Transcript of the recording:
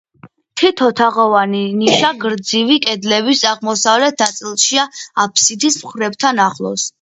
თითო თაღოვანი ნიშა გრძივი კედლების აღმოსავლეთ ნაწილშია აფსიდის მხრებთან ახლოს.